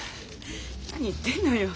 何言ってんのよ。